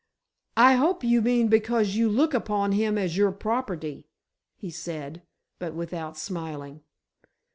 "I hope you mean because you look upon him as your property," he said, but without smiling.